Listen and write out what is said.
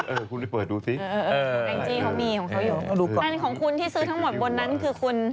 อันของคุณที่ซื้อทั้งหมดบนนั้นคือคุณ